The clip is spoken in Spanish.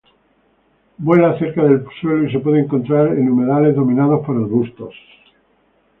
Vuela cerca del suelo y se puede encontrar en humedales dominados por arbustos.